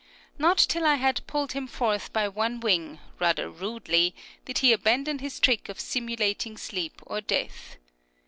Not till I had pulled him forth by one wing, rather rudely, did he abandon his trick of simulated sleep or death.